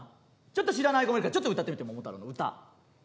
ちょっと知らない子もいるからちょっと歌ってみて「桃太郎」の歌。